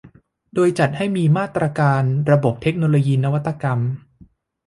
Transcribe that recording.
โดยจัดให้มีมาตรการระบบเทคโนโลยีนวัตกรรม